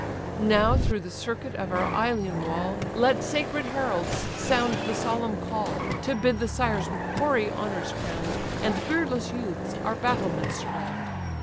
Now through the circuit of our Ilion wall, Let sacred heralds sound the solemn call; To bid the sires with hoary honours crown'd, And beardless youths, our battlements surround.